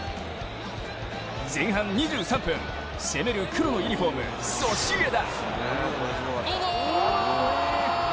前半２３分、攻める黒のユニフォーム、ソシエダ。